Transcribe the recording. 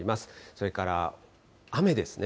それから雨ですね。